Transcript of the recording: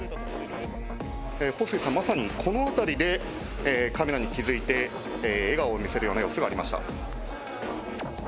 彭帥さん、まさにこの辺りでカメラに気付いて、笑顔を見せるような様子がありました。